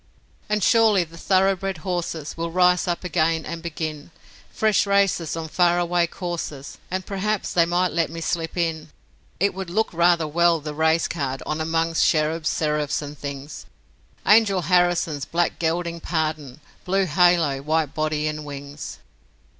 And surely the thoroughbred horses Will rise up again and begin Fresh races on far away courses, And p'raps they might let me slip in. It would look rather well the race card on 'Mongst Cherubs and Seraphs and things, 'Angel Harrison's black gelding Pardon, Blue halo, white body and wings.'